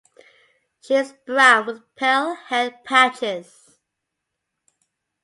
She is brown with pale head patches.